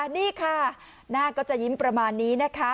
นี่ค่ะหน้าก็จะยิ้มประมาณนี้นะคะ